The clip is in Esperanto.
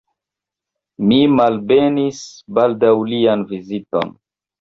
Mi malbenis baldaŭ lian viziton.